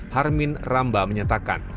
harmin rambah menyatakan